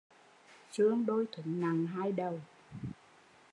Sương đôi thúng nặng hai đầu